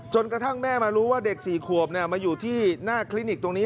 กระทั่งแม่มารู้ว่าเด็ก๔ขวบมาอยู่ที่หน้าคลินิกตรงนี้